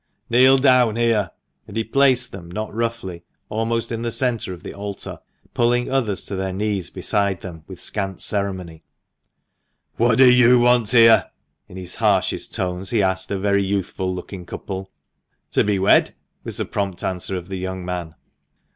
] Kneel down here," and he placed them, not roughly, almost in the centre of the altar, pulling others to their knees beside them, with scant ceremony. THE MANCHESTER MAN. 169 "What do you want here?" in his harshest tones he asked a very youthful looking couple. "To be wed," was the prompt answer of the young man.